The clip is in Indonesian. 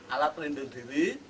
alat pelindung diri